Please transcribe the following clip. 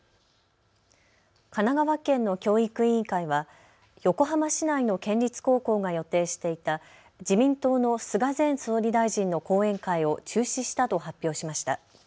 神奈川県の教育委員会は横浜市内の県立高校が予定していた自民党の菅前総理大臣の講演会を中止したと発表しました。